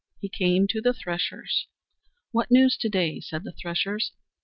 He came to the threshers. "What news to day?" said the threshers.